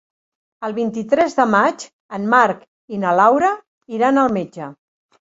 El vint-i-tres de maig en Marc i na Laura iran al metge.